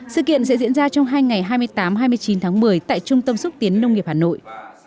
sự kiện sẽ diễn ra trong hai ngày hai mươi tám hai mươi chín tháng một mươi tại trung tâm xúc tiến nông nghiệp hà nội